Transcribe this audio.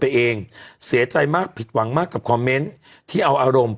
ตัวเองเสียใจมากผิดหวังมากกับคอมเมนต์ที่เอาอารมณ์